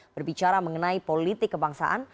berbicara mengenai politik kebangsaan